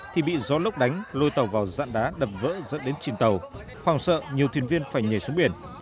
thì bị gió lốc đánh lôi tàu vào dạn đá đập vỡ dẫn đến trình tàu hoàng sợ nhiều thuyền viên phải nhảy xuống biển